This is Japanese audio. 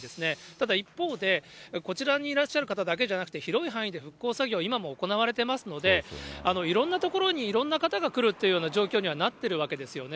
ただ、一方で、こちらにいらっしゃる方だけじゃなくて、広い範囲で復興作業は今も行われていますので、いろんな所に、いろんな方が来るというような状況にはなってるわけですよね。